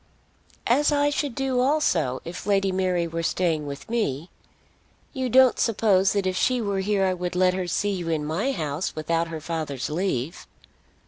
"As I should do also, if Lady Mary were staying with me. You don't suppose that if she were here I would let her see you in my house without her father's leave?"